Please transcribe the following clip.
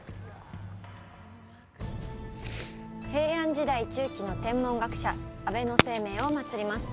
平安時代中期の天文学者安倍晴明を祭ります。